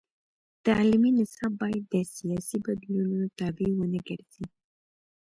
تعلیمي نصاب باید د سیاسي بدلونونو تابع ونه ګرځي.